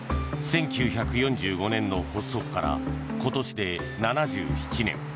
１９４５年の発足から今年で７７年。